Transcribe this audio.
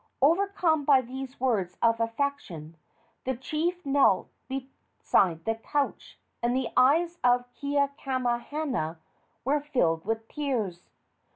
Overcome by these words of affection, the chief knelt beside the couch, and the eyes of Keakamahana were filled with tears.